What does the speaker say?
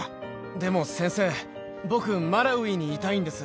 でも先生、僕、マラウイにいたいんです。